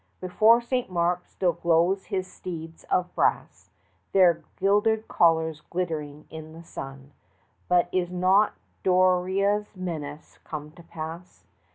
45 Before St. Mark still glow his steeds of brass, Their gilded collars glittering in the sun; But is not Doria's menace come to pass?